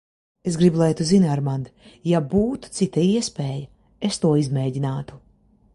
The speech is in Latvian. Es gribu, lai tu zini, Armand, ja būtu cita iespēja, es to izmēģinātu.